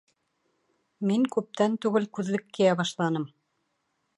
Мин күптән түгел күҙлек кейә башланым